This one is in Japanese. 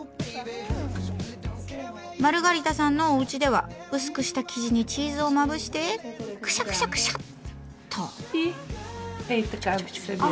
マルガリタさんのおうちでは薄くした生地にチーズをまぶしてクシャクシャクシャッと。